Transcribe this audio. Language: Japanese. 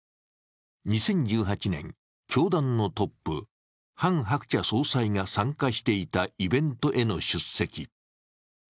２０１８年、教団のトップハン・ハクチャ総裁が参加していたイベントへの出席。